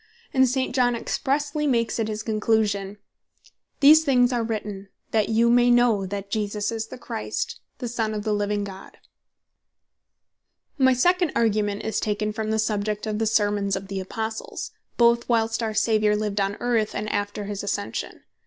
And St. John expressely makes it his conclusion, John 20. 31. "These things are written, that you may know that Jesus is the Christ, the Son of the living God." From The Sermons Of The Apostles: My second Argument is taken from the Subject of the Sermons of the Apostles, both whilest our Saviour lived on earth, and after his Ascension.